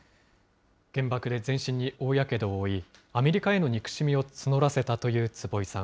原爆で全身に大やけどを負い、アメリカへの憎しみを募らせたという坪井さん。